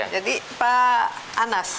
jadi pak anas